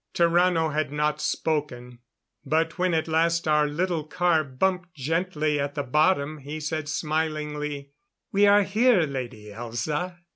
Tarrano had not spoken; but when at last our little car bumped gently at the bottom, he said smilingly: "We are here, Lady Elza."